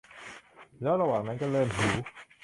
แล้วระหว่างนั้นก็เริ่มหิว